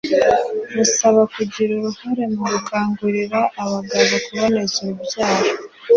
busabwa kugira uruhare mu gukangurira abagabo kuboneza urubyaro